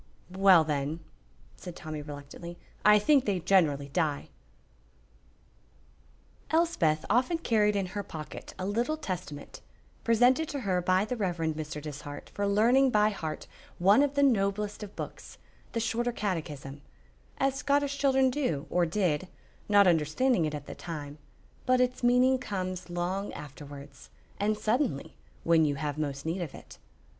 "Well, then," said Tommy, reluctantly, "I think they generally die." Elspeth often carried in her pocket a little Testament, presented to her by the Rev. Mr. Dishart for learning by heart one of the noblest of books, the Shorter Catechism, as Scottish children do or did, not understanding it at the time, but its meaning comes long afterwards and suddenly, when you have most need of it.